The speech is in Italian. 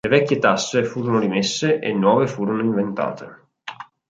Le vecchie tasse furono rimesse e nuove furono inventate.